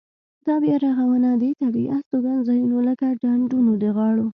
دا بیا رغونه د طبیعي استوګنځایونو لکه د ډنډونو د غاړو.